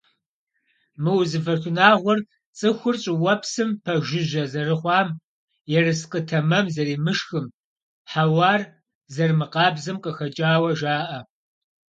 Мы узыфэ шынагъуэр цӀыхур щӀыуэпсым пэжыжьэ зэрыхъуам, ерыскъы тэмэм зэримышхым, хьэуар зэрымыкъабзэм къыхэкӀауэ жаӏэ.